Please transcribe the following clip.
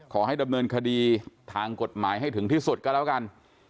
ขอให้ดำเนินคดีทางกฎหมายให้ถึงที่สุดก็แล้วกัน